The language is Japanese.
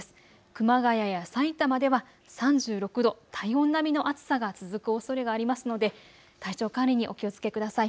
熊谷やさいたまでは３６度、体温並みの暑さが続くおそれがありますので体調管理にお気をつけください。